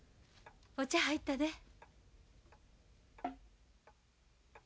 お茶入ったで。